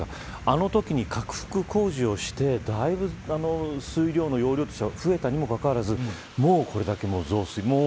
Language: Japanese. あのときに拡幅工事をしてだいぶ水量の容量は増えたにもかかわらずこれだけ、もう増水している。